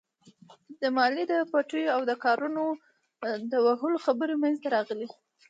د ماليې د پټېدو او د کاروانونو د وهلو خبرې مينځته راغلې.